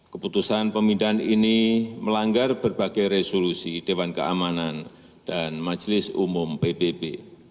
keputusan pemindahan ini melanggar berbagai resolusi dewan keamanan dan majelis umum pbb